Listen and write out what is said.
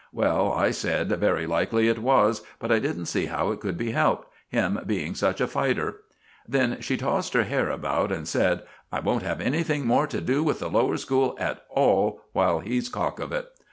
Well, I said, very likely it was, but I didn't see how it could be helped, him being such a fighter. Then she tossed her hair about, and said, 'I won't have anything more to do with the lower school at all while he's cock of it.